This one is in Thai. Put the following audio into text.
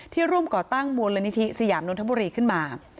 ร่วมก่อตั้งมูลนิธิสยามนทบุรีขึ้นมา